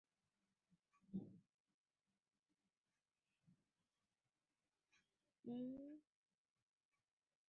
আমাদের বাংলাদেশ বহু ভাষা, বহু ধর্ম, বহু সম্প্রদায়ের স্বাধীন গণতান্ত্রিক দেশ।